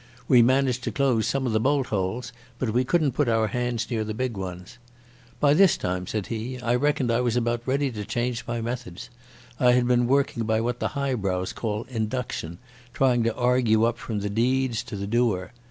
We managed to close some of the bolt holes, but we couldn't put our hands near the big ones. "By this time," said he, "I reckoned I was about ready to change my methods. I had been working by what the highbrows call induction, trying to argue up from the deeds to the doer.